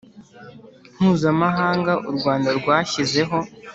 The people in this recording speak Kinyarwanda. mpuzamahanga u Rwanda rwashyizeho